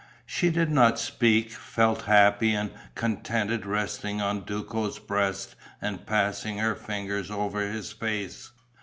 She did not speak, felt happy and contented resting on Duco's breast and passing her fingers over his face.